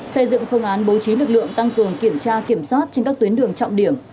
xây dựng phương án bố trí lực lượng tăng cường kiểm tra kiểm soát trên các tuyến đường trọng điểm